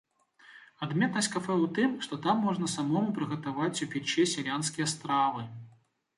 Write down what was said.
Адметнасць кафэ ў тым, што там можна самому прыгатаваць у печы сялянскія стравы.